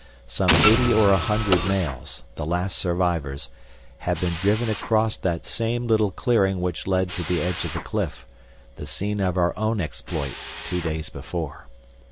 Some eighty or a hundred males, the last survivors, had been driven across that same little clearing which led to the edge of the cliff, the scene of our own exploit two days before.